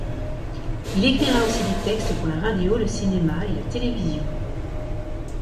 Il écrira aussi des textes pour la radio, le cinéma et la télévision.